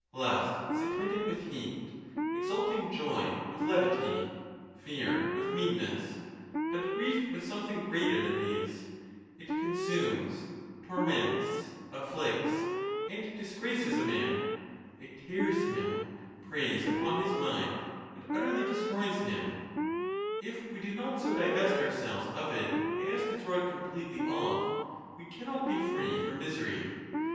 Lust is attended with heat, exulting joy with levity, fear with meanness, but grief with something greater than these; it consumes, torments, afflicts, and disgraces a man; it tears him, preys upon his mind, and utterly destroys him: if we do not so divest ourselves of it as to throw it completely off, we cannot be free from misery.